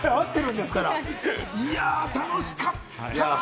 いや、楽しかった。